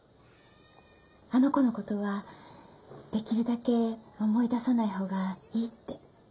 あの子の事はできるだけ思い出さないほうがいいって。